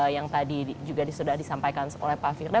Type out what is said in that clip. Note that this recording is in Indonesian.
yang tadi juga sudah disampaikan oleh pak firdaus